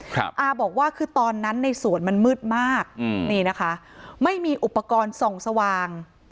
อาบอกว่าคือตอนนั้นในสวนมันมืดมากอืมนี่นะคะไม่มีอุปกรณ์ส่องสว่าง